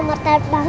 nah opo bantuin ya